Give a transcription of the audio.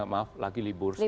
maaf lagi libur sekolah